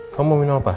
kau mau minum apa